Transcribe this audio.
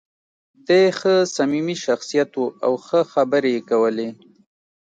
دی ښه صمیمي شخصیت و او ښه خبرې یې کولې.